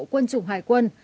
quân chủng hải quân